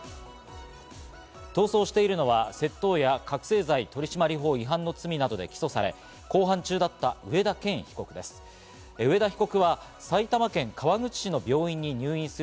逃走しているのは窃盗や覚醒剤取締法違反の罪などで起訴され公判中だった上田健被告です。